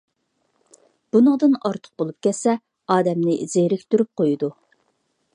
بۇنىڭدىن ئارتۇق بولۇپ كەتسە ئادەمنى زېرىكتۈرۈپ قويىدۇ.